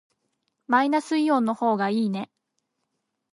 マイナスイオンの方がいいね。